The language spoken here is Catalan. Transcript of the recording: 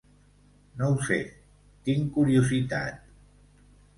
No ho sé, tinc curiositat.